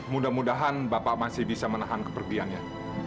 mudah mudahan bapak masih bisa menahan kepergiannya